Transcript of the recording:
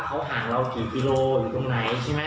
เขาห่างเรากี่กิโลหรือตรงไหนใช่ไหม